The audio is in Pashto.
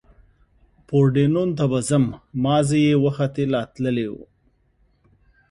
پورډېنون ته به ځم، مازې یې وختي لا تللي و.